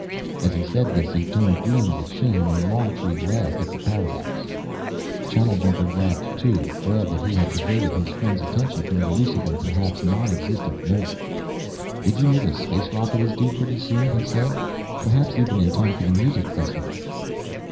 As he said this, he turned green with shame, and Longtree laughed at the paradox. Channeljumper laughed too, glad that he had diverted his friend's attention from the elusive and perhaps non existent note. "Did you know the space rocket is due pretty soon," he said, "perhaps even in time for the Music Festival?"